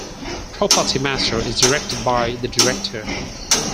Property master is directed by the director.